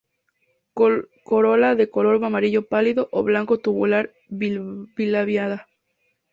Corola de color amarillo pálido o blanco, tubular, bilabiada.